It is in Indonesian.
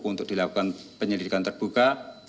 untuk dilakukan penyelidikan terbuka